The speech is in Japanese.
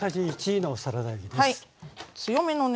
強めのね